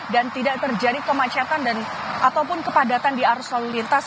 dan tidak terjadi kemacetan dan ataupun kepadatan di arus lintas